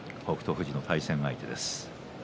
富士の対戦相手です。